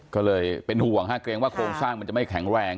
ก็เลยเป็นห่วงฮะเกรงว่าโครงสร้างมันจะไม่แข็งแรง